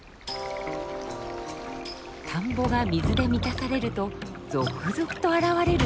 田んぼが水で満たされると続々と現れるドジョウ。